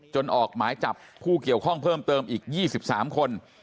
จนออกหมายจับผู้เกี่ยวข้องเพิ่มเติมอีกยี่สิบสามคน